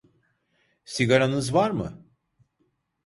Sigaranız var mı?